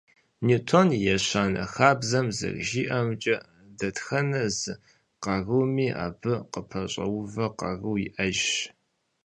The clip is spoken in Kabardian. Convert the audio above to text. Ньютон и ещанэ хабзэм зэрыжиӏэмкӏэ, дэтхэнэ зы къаруми, абы къыпэщӏэувэ къару иӏэжщ.